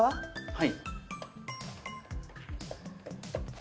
はい。